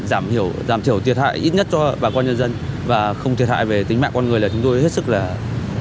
giảm thiểu thiệt hại ít nhất cho bà con nhân dân và không thiệt hại về tính mạng con người là chúng tôi hết sức vui mừng